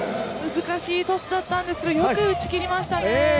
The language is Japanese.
難しいトスだったんですけど、よく打ちきりましたね。